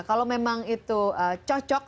kalau memang itu cocok